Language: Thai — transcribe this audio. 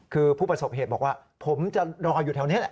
คือผู้ประสบเหตุบอกว่าผมจะรออยู่แถวนี้แหละ